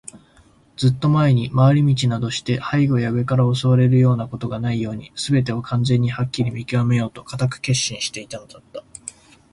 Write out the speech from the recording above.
ずっと前に、廻り道などして背後や上から襲われるようなことがないように、すべてを完全にはっきり見きわめようと固く決心していたのだった。